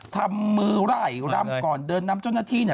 ทำมือไล่รำก่อนเดินนำเจ้าหน้าที่เนี่ย